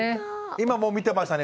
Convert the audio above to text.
今もう見てましたね。